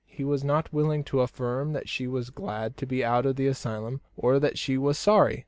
He was not willing to affirm that she was glad to be out of the asylum, or that she was sorry.